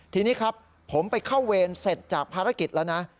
ทีนี้ครับผมไปเข้าเวรเสร็จจากภารกิจแล้วนะ